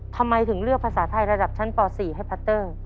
ทำไมถึงเลือกภาษาไทยระดับชั้นป๔ให้พัตเตอร์